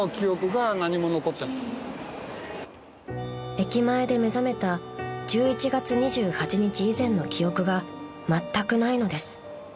［駅前で目覚めた１１月２８日以前の記憶がまったくないのです］